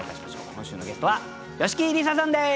今週のゲストは吉木りささんです。